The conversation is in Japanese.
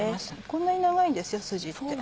こんなに長いんですよスジって。